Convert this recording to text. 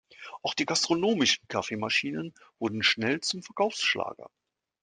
Auch die gastronomischen Kaffeemaschinen wurden schnell zum Verkaufsschlager.